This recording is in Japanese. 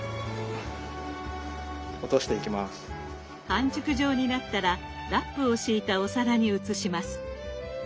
半熟状になったらラップを敷いたお皿に移します。